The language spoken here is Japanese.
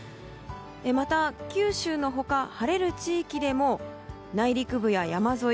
また九州の他、晴れる地域でも内陸部や山沿い